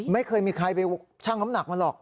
ไม่เคยมีใครไปชั่งน้ำหนักมันหรอก